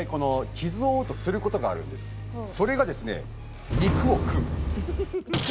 それがですね